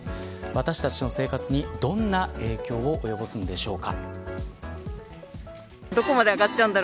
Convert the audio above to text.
私たちの生活に、どんな影響を及ぼすんでしょうか。